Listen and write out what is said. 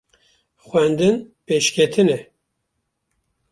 xwendin pêşketin e